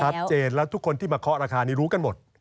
ชัดเจนแล้วทุกคนที่มาเคาะราคานี้รู้กันหมด